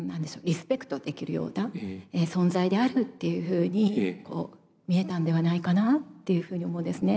リスペクトできるような存在であるっていうふうに見えたんではないかなっていうふうに思うんですね。